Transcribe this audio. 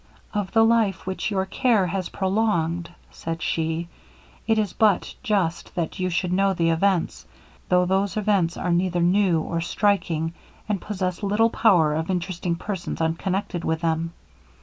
'Of the life which your care has prolonged,' said she, 'it is but just that you should know the events; though those events are neither new, or striking, and possess little power of interesting persons unconnected with them.